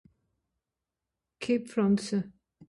ke Pflànze